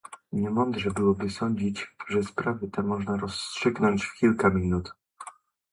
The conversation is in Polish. Niemądrze byłoby sądzić, że sprawy te można rozstrzygnąć w kilka minut